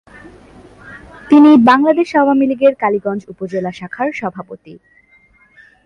তিনি বাংলাদেশ আওয়ামী লীগের কালীগঞ্জ উপজেলা শাখার সভাপতি।